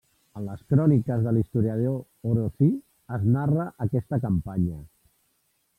En les cròniques de l'historiador Orosi es narra aquesta campanya.